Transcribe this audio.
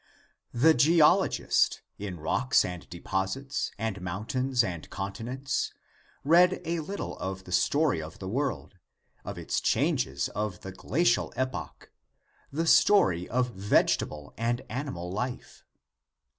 The geologist, in rocks and deposits and mountains and continents, read a little of the story of the world of its changes, of the glacial epoch the story of vegetable and animal life.